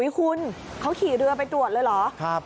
คุณเขาขี่เรือไปตรวจเลยเหรอ